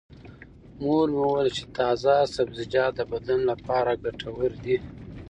مور مې وویل چې تازه سبزیجات د بدن لپاره ګټور دي.